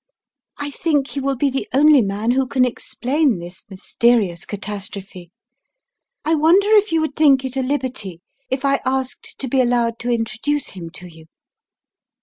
I think he will be the only man who can explain this mysterious catastrophe. I wonder if you would think it a liberty if I asked to be allowed to introduce him to you?"